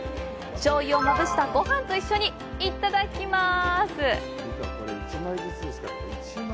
醤油をまぶしたごはんと一緒にいただきます。